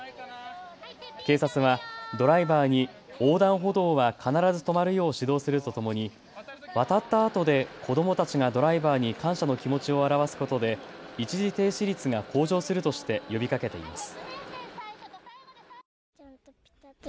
警察はドライバーに横断歩道は必ず止まるよう指導するとともに渡ったあとで子どもたちがドライバーに感謝の気持ちを表すことで一時停止率が向上するとして呼びかけています。